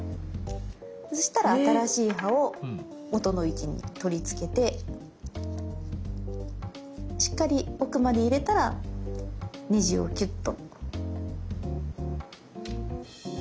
外したら新しい刃を元の位置に取り付けてしっかり奥まで入れたらねじをキュッと。